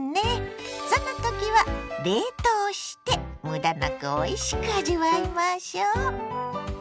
そんなときは冷凍してむだなくおいしく味わいましょ。